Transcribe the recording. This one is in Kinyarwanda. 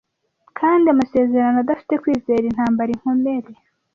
kandi amasezerano adafite kwizera intambara inkomere